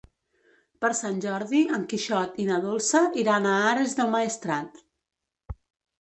Per Sant Jordi en Quixot i na Dolça iran a Ares del Maestrat.